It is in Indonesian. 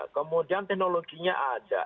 kemudian teknologinya ada